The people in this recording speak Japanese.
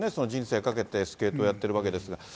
人生懸けてスケートやってるわけですから。